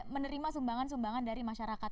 menerima sumbangan sumbangan dari masyarakat